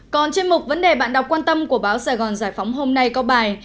còn trên mục vấn đề bạn đọc quan tâm của báo sài gòn giải phóng hôm nay có bài